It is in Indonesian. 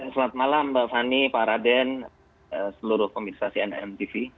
selamat malam mbak fani pak raden seluruh komunitas nmtv